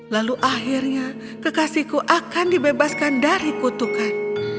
lalu akhirnya kekasihku akan dibebaskan dari kutukan